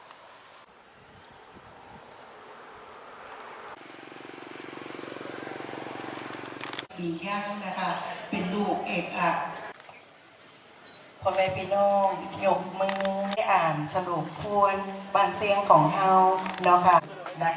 สวัสดีค่ะเป็นลูกเอกอ่ะพ่อแม่ปิโน่งยกมื้ออ่านสรุปควรบรรเซียงของเขาเนาะค่ะนะคะอ่า